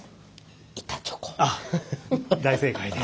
あっ大正解です。